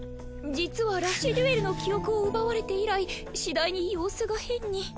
実はラッシュデュエルの記憶を奪われて以来しだいに様子が変に。